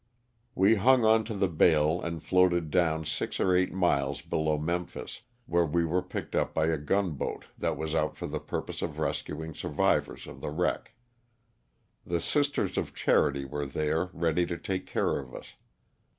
We hung onto the bale and floated down six or eight miles below Memphis, where we were picked up by a gun boat that was out for the purpose of rescuing survivors of the wreck. The Sisters of Charity were there ready to take care of us.